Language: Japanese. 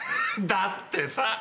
だってさ。